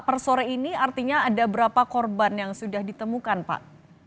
per sore ini artinya ada berapa korban yang sudah ditemukan pak